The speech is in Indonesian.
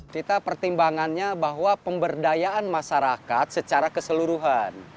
kita pertimbangannya bahwa pemberdayaan masyarakat secara keseluruhan